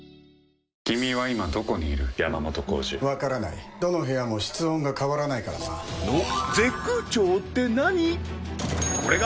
君は今どこにいる山本耕史わからないどの部屋も室温が変わらないからなのこれが